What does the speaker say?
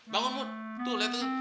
bangun mut tuh lihat tuh